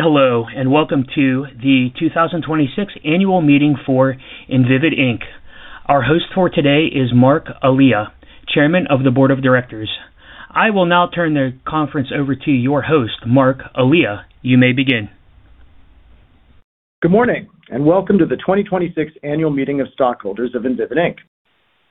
Hello, and welcome to the 2026 annual meeting for Invivyd, Inc. Our host for today is Marc Elia, Chairman of the Board of Directors. I will now turn the conference over to your host, Marc Elia. You may begin. Good morning, and welcome to the 2026 annual meeting of stockholders of Invivyd, Inc.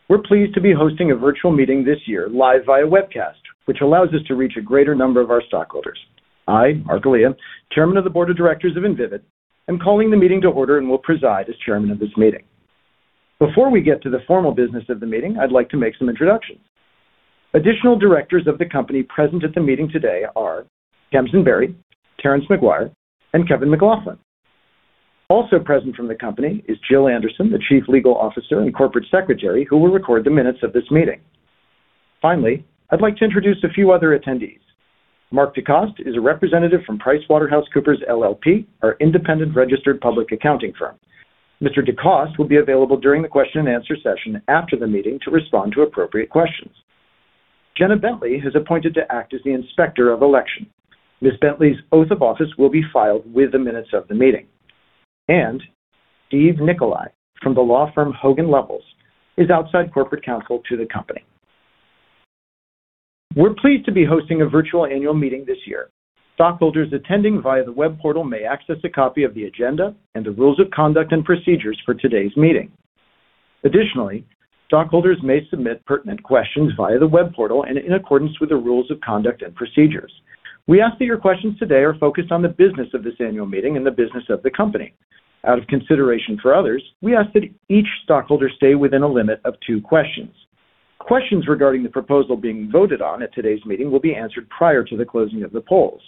We're pleased to be hosting a virtual meeting this year live via webcast, which allows us to reach a greater number of our stockholders. I, Marc Elia, Chairman of the Board of Directors of Invivyd, am calling the meeting to order and will preside as Chairman of this meeting. Before we get to the formal business of the meeting, I'd like to make some introductions. Additional Directors of the company present at the meeting today are Tamsin Berry, Terrance McGuire, and Kevin F. McLaughlin. Also present from the company is Jill Andersen, the Chief Legal Officer and Corporate Secretary, who will record the minutes of this meeting. Finally, I'd like to introduce a few other attendees. Marc DeCoste is a representative from PricewaterhouseCoopers LLP, our independent registered public accounting firm. Mr. DeCoste will be available during the question and answer session after the meeting to respond to appropriate questions. Jenna Bentley is appointed to act as the inspector of election. Ms. Bentley's oath of office will be filed with the minutes of the meeting. Stephen Nicolai from the law firm Hogan Lovells is outside corporate counsel to the company. We're pleased to be hosting a virtual annual meeting this year. Stockholders attending via the web portal may access a copy of the agenda and the rules of conduct and procedures for today's meeting. Additionally, stockholders may submit pertinent questions via the web portal and in accordance with the rules of conduct and procedures. We ask that your questions today are focused on the business of this annual meeting and the business of the company. Out of consideration for others, we ask that each stockholder stay within a limit of two questions. Questions regarding the proposal being voted on at today's meeting will be answered prior to the closing of the polls.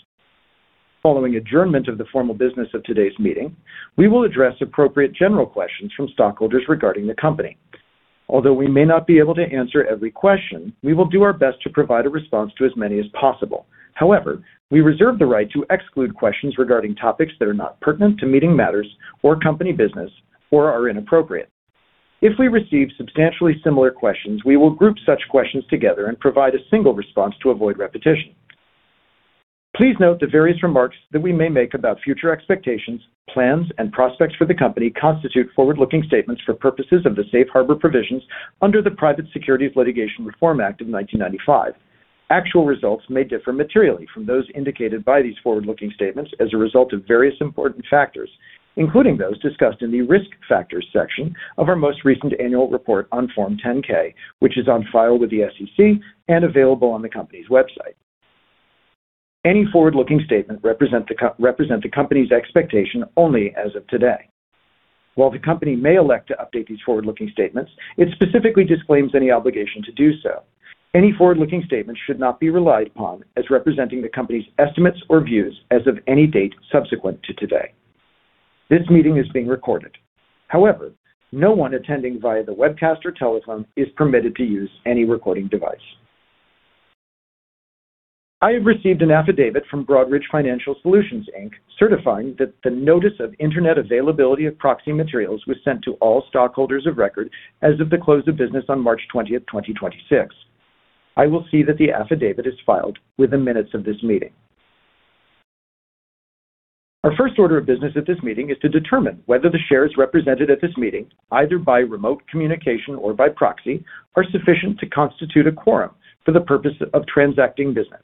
Following adjournment of the formal business of today's meeting, we will address appropriate general questions from stockholders regarding the company. Although we may not be able to answer every question, we will do our best to provide a response to as many as possible. However, we reserve the right to exclude questions regarding topics that are not pertinent to meeting matters or company business or are inappropriate. If we receive substantially similar questions, we will group such questions together and provide a single response to avoid repetition. Please note the various remarks that we may make about future expectations, plans, and prospects for the company constitute forward-looking statements for purposes of the Safe Harbor Provisions under the Private Securities Litigation Reform Act of 1995. Actual results may differ materially from those indicated by these forward-looking statements as a result of various important factors, including those discussed in the Risk Factors section of our most recent annual report on Form 10-K, which is on file with the SEC and available on the company's website. Any forward-looking statement represent the company's expectation only as of today. While the company may elect to update these forward-looking statements, it specifically disclaims any obligation to do so. Any forward-looking statements should not be relied upon as representing the company's estimates or views as of any date subsequent to today. This meeting is being recorded. However, no one attending via the webcast or telephone is permitted to use any recording device. I have received an affidavit from Broadridge Financial Solutions, Inc., certifying that the notice of Internet availability of proxy materials was sent to all stockholders of record as of the close of business on March 20th, 2026. I will see that the affidavit is filed with the minutes of this meeting. Our first order of business at this meeting is to determine whether the shares represented at this meeting, either by remote communication or by proxy, are sufficient to constitute a quorum for the purpose of transacting business.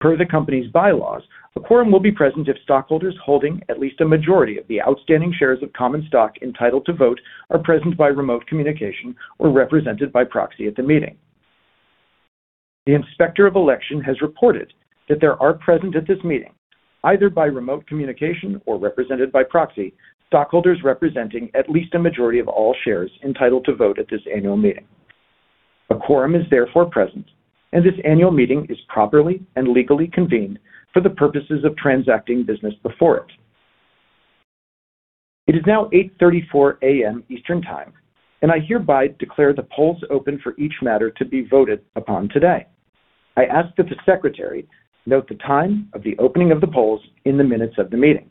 Per the company's bylaws, a quorum will be present if stockholders holding at least a majority of the outstanding shares of common stock entitled to vote are present by remote communication or represented by proxy at the meeting. The inspector of election has reported that there are present at this meeting, either by remote communication or represented by proxy, stockholders representing at least a majority of all shares entitled to vote at this annual meeting. A quorum is therefore present. This annual meeting is properly and legally convened for the purposes of transacting business before it. It is now 8:34 A.M. Eastern Time. I hereby declare the polls open for each matter to be voted upon today. I ask that the secretary note the time of the opening of the polls in the minutes of the meeting.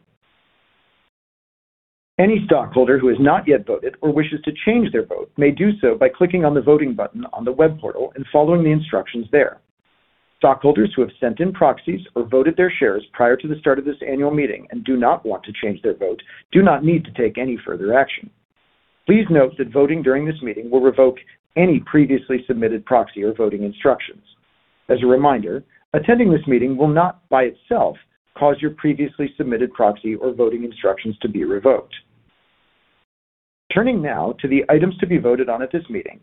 Any stockholder who has not yet voted or wishes to change their vote may do so by clicking on the voting button on the web portal and following the instructions there. Stockholders who have sent in proxies or voted their shares prior to the start of this annual meeting and do not want to change their vote do not need to take any further action. Please note that voting during this meeting will revoke any previously submitted proxy or voting instructions. As a reminder, attending this meeting will not by itself cause your previously submitted proxy or voting instructions to be revoked. Turning now to the items to be voted on at this meeting.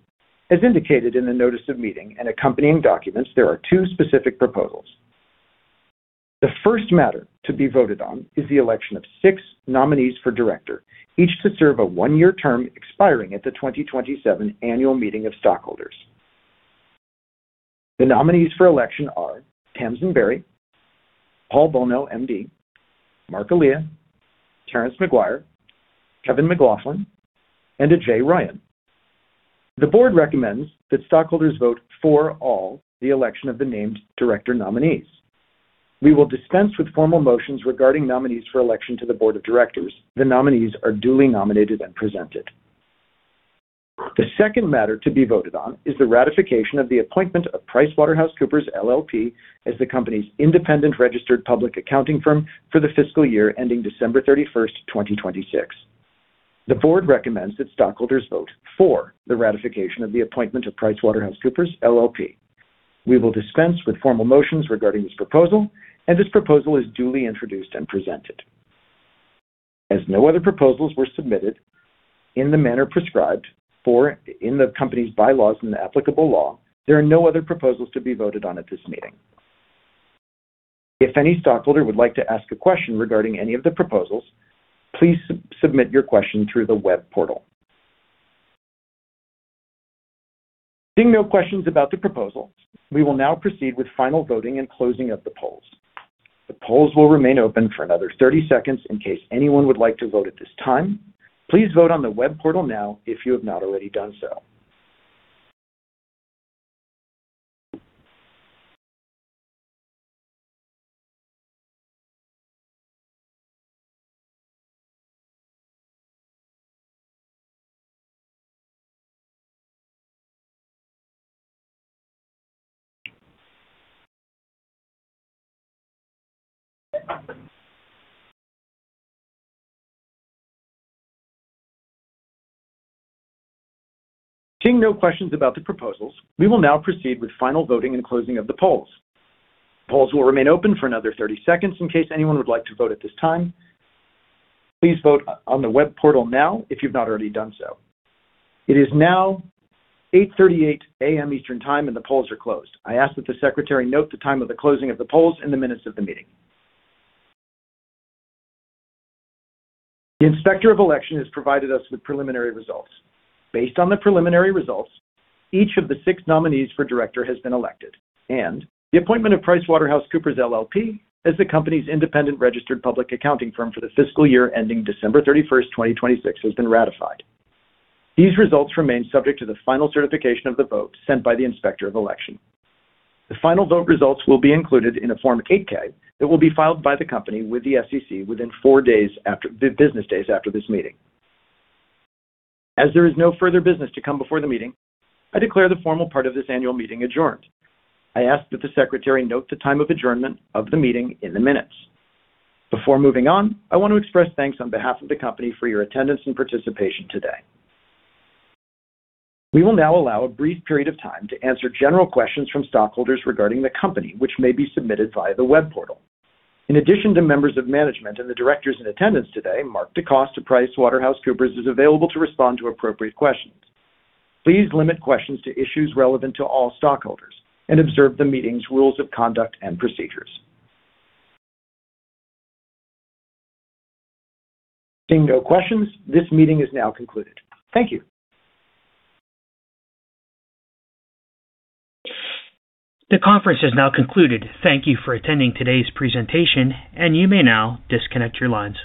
As indicated in the notice of meeting and accompanying documents, there are two specific proposals. The first matter to be voted on is the election of six nominees for director, each to serve a one-year term expiring at the 2027 annual meeting of stockholders. The nominees for election are Tamsin Berry, Paul B. Bolno, MD, Marc Elia, Terrance McGuire, Kevin F. McLaughlin, and Ajay Royan. The board recommends that stockholders vote for all the election of the named director nominees. We will dispense with formal motions regarding nominees for election to the board of directors. The nominees are duly nominated and presented. The second matter to be voted on is the ratification of the appointment of PricewaterhouseCoopers, LLP, as the company's independent registered public accounting firm for the fiscal year ending December 31st, 2026. The board recommends that stockholders vote for the ratification of the appointment of PricewaterhouseCoopers, LLP. We will dispense with formal motions regarding this proposal. This proposal is duly introduced and presented. As no other proposals were submitted in the manner prescribed for in the company's bylaws and applicable law, there are no other proposals to be voted on at this meeting. If any stockholder would like to ask a question regarding any of the proposals, please submit your question through the web portal. Seeing no questions about the proposal, we will now proceed with final voting and closing of the polls. The polls will remain open for another 30 seconds in case anyone would like to vote at this time. Please vote on the web portal now if you have not already done so. Seeing no questions about the proposals, we will now proceed with final voting and closing of the polls. The polls will remain open for another 30 seconds in case anyone would like to vote at this time. Please vote on the web portal now if you have not already done so. It is now 8:38 A.M. Eastern Time, and the polls are closed. I ask that the secretary note the time of the closing of the polls in the minutes of the meeting. The inspector of election has provided us with preliminary results. Based on the preliminary results, each of the six nominees for director has been elected, and the appointment of PricewaterhouseCoopers, LLP, as the company's independent registered public accounting firm for the fiscal year ending December 31st, 2026, has been ratified. These results remain subject to the final certification of the vote sent by the inspector of election. The final vote results will be included in a Form 8-K that will be filed by the company with the SEC within four business days after this meeting. As there is no further business to come before the meeting, I declare the formal part of this annual meeting adjourned. I ask that the secretary note the time of adjournment of the meeting in the minutes. Before moving on, I want to express thanks on behalf of the company for your attendance and participation today. We will now allow a brief period of time to answer general questions from stockholders regarding the company, which may be submitted via the web portal. In addition to members of management and the directors in attendance today, Marc DeCoste of PricewaterhouseCoopers is available to respond to appropriate questions. Please limit questions to issues relevant to all stockholders and observe the meeting's rules of conduct and procedures. Seeing no questions, this meeting is now concluded. Thank you. The conference has now concluded. Thank you for attending today's presentation, and you may now disconnect your lines.